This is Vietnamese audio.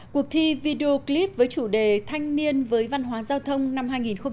cuộc thi video clip với chủ đề thanh niên với văn hóa giao thông năm hai nghìn hai mươi